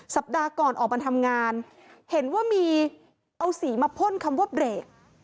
สัปดาห์ก่อนออกมาทำงานเห็นว่ามีเอาสีมาพ่นคำว่าเบรก